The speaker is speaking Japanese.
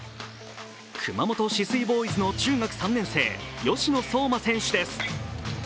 熊本泗水ボーイズの中学３年生吉野颯真選手です。